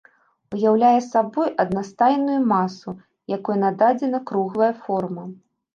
Уяўляе сабой аднастайную масу, якой нададзена круглая форма.